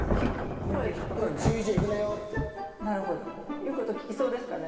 言うこと聞きそうですかね？